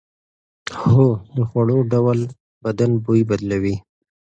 هو، د خوړو ډول بدن بوی بدلوي.